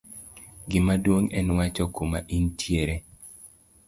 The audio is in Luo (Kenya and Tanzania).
gimaduong' en wacho kuma intiere